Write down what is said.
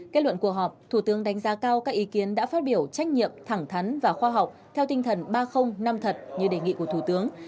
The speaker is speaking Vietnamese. kết luận cuộc họp thủ tướng đánh giá cao các ý kiến đã phát biểu trách nhiệm thẳng thắn và khoa học theo tinh thần ba năm thật như đề nghị của thủ tướng